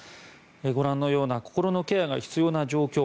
ご覧のような心のケアが必要な状況